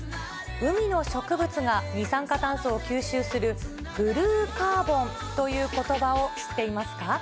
海の植物が二酸化炭素を吸収する、ブルーカーボンということばを知っていますか。